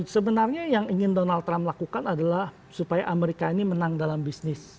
sebenarnya yang ingin donald trump lakukan adalah supaya amerika ini menang dalam bisnis